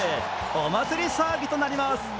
お祭り騒ぎとなります。